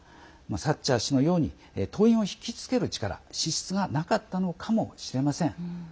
サッチャー氏のように党員を引き付ける力資質がなかったのかもしれません。